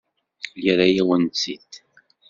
Yerra-yawen-tt-id.